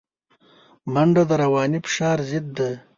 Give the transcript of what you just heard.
منډه د رواني فشار ضد ده